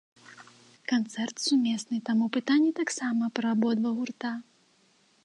Канцэрт сумесны, таму пытанні таксама пра абодва гурта.